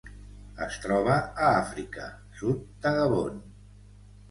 Es troba a Àfrica: sud de Gabon.